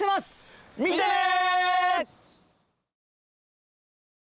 見てね。